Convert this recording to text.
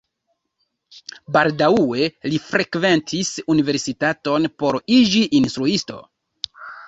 Baldaŭe li frekventis universitaton por iĝi instruisto.